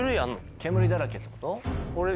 煙だらけってこと？